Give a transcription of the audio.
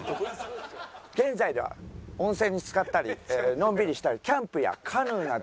現在では温泉に浸かったりのんびりしたりキャンプやカヌーなど。